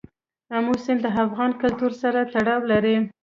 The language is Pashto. آمو سیند د افغان کلتور سره تړاو لري.